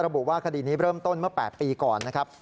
บุว่าคดีนี้เริ่มต้นเมื่อ๘ปีก่อนนะครับ